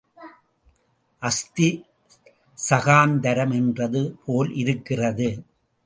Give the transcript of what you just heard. அஸ்தி சகாந்தரம் என்றது போல் இருக்கிறது.